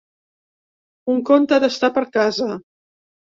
Un conte d’estar per casa.